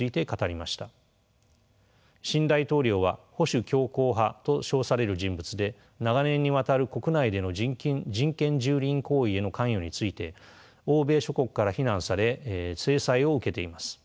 新大統領は保守強硬派と称される人物で長年にわたる国内での人権蹂躙行為への関与について欧米諸国から非難され制裁を受けています。